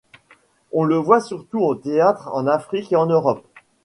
On le voit surtout au théâtre en Afrique et en Europe.